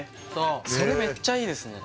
それめっちゃいいですね